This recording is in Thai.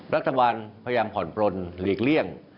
รัฐบาลพยายามผ่อนปลนหลีกเลี่ยง